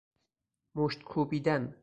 مشت کوبیدن